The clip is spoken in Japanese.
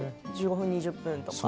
１５分、２０分とか？